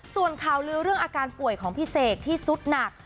ส่วนข่าวลือเรื่องอาการป่วยของพี่เสกที่สุดหนัก